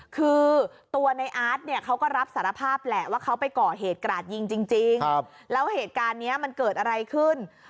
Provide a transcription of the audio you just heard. คือตัวในอาร์ตเนี่ยเขาก็รับสารภาพแหละว่าเขาไปก่อเหตุกราดยิงจริงแล้วเหตุการณ์นี้มันเกิดอะไรขึ้น